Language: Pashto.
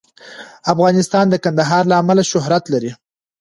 افغانستان د کندهار له امله شهرت لري.